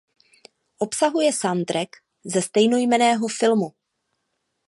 Obsahuje soundtrack ze stejnojmenného filmu.